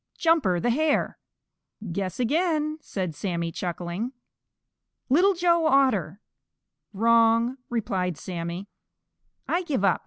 "Jumper the Hare!" "Guess again," said Sammy, chuckling. "Little Joe Otter!" "Wrong," replied Sammy. "I give up.